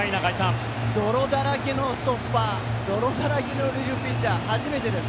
泥だらけのストッパー泥だらけのリリーフピッチャー初めてです。